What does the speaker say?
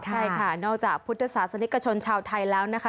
ใช่ค่ะนอกจากพุทธศาสนิกชนชาวไทยแล้วนะคะ